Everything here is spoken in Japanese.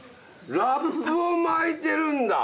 ラップを巻いてるんだ！